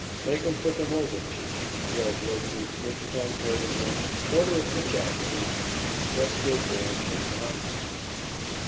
"Make him put them over, Chief," yelled Wiltse which, translated, meant, "Order a pitch out, Chief. He just gave Byrne the hit and run sign."